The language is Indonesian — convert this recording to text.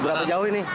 berapa jauh ini